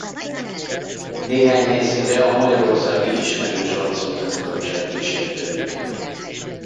Néhány helyszínre a magyarországi Ismerős Arcok zenekar is elkísérte őket.